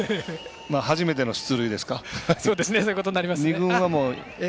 初めての出塁ですか。